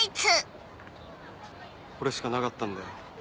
これしかなかったんだよ。